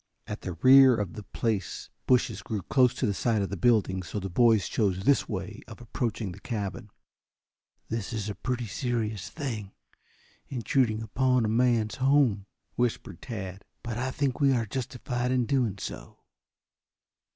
At the rear of the place bushes grew close to the side of the building, so the boys chose this way of approaching the cabin. "This is a pretty serious thing, intruding upon a man's home," whispered Tad. "But I think we are justified in doing so."